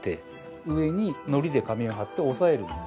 上に糊で紙を貼って押さえるんです。